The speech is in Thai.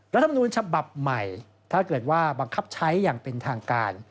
รัฐมนูลฉบับใหม่ถ้าเกิดว่าบังคับใช้อย่างเป็นทางการ